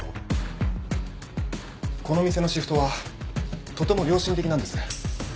この店のシフトはとても良心的なんです。